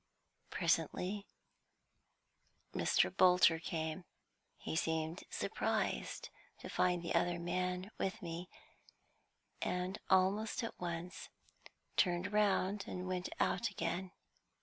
Presently, Mr. Bolter came. He seemed surprised to find the other man with me, and almost at once turned round and went out again.